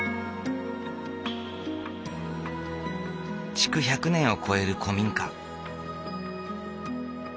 築１００年を超える古民家。